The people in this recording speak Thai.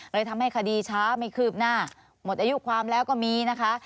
เลยทำให้คดีช้าไม่คืบหน้าหมดอายุความแล้วก็มีนะคะ